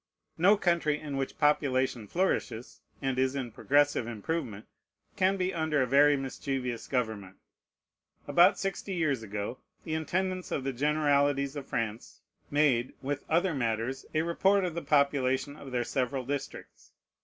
No country in which population flourishes, and is in progressive improvement, can be under a very mischievous government. About sixty years ago, the Intendants of the Generalities of France made, with other matters, a report of the population of their several districts.